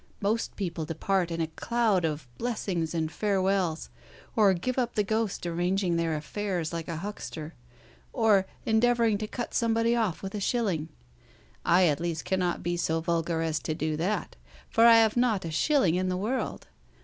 Most people depart in a cloud of blessings and farewells, or give up the ghost arranging their affairs like a huckster, or endeavouring to cut somebody off with a shilling. I at least cannot be so vulgar as to do that, for I have not a shilling in the world.